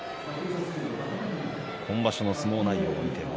今場所の相撲内容を見ていきます。